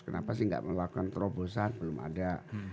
kenapa sih nggak melakukan terobosan belum ada